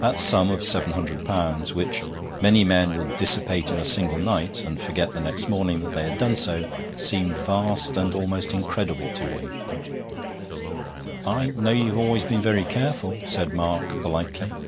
That sum of seven hundred pounds, which many men would dissipate in a single night, and forget the next morning that they had done so, seemed vast and almost incredible to him. 'I know you've always been very careful,' said Mark politely.